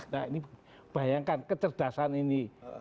nah ini bayangkan kecerdasan ini